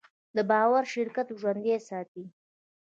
دا باور شرکت ژوندی ساتي.